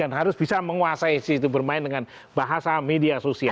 dan harus bisa menguasai bermain dengan bahasa media sosial